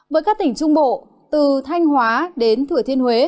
với các tỉnh trung bộ từ thanh hóa đến thừa thiên huế